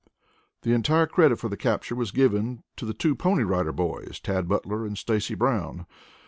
The entire credit for the capture was given to the two Pony Rider Boys, Tad Butler and Stacy Brown.